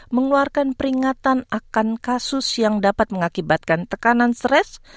mengeluarkan peringatan akan kasus yang dapat mengakibatkan tekanan stres